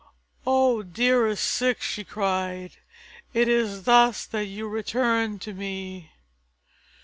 "O dearest Ceyx!" she cried. "Is it thus that you return to me?"